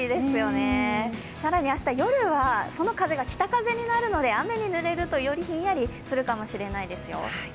更に明日夜は北風になるので夜になるとよりひんやりするかもしれないですよ。